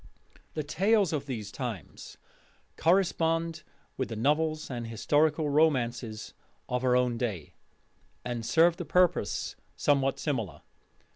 The tales of those times correspond with the novels and historical romances of our own day, and served a purpose somewhat similar.